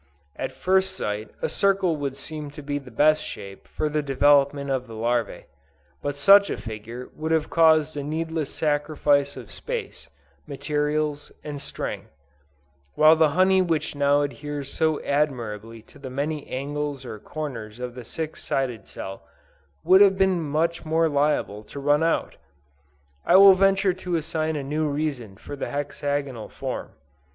At first sight a circle would seem to be the best shape for the development of the larvæ: but such a figure would have caused a needless sacrifice of space, materials and strength; while the honey which now adheres so admirably to the many angles or corners of the six sided cell, would have been much more liable to run out! I will venture to assign a new reason for the hexagonal form.